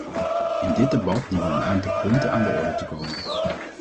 In dit debat dienen een aantal punten aan de orde te komen.